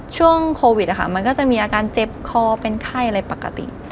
ช่วงโควิดมันก็จะมีอาการเจ็บคอเป็นไข้อะไรปกติ